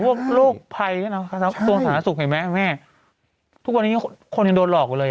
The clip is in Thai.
พวกโรคภัยนะครับตรงศาลนักศึกเห็นไหมแม่ทุกวันนี้คนยังโดนหลอกกูเลย